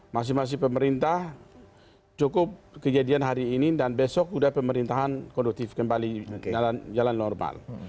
masing masing pemerintah cukup kejadian hari ini dan besok sudah pemerintahan kondutif kembali jalan normal